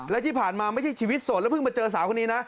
และที่ผ่านมาไม่ใช่ชีวิตสดแล้วเพิ่งมาเจอสาวคนนี้นะ